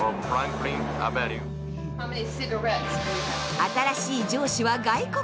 新しい上司は外国人。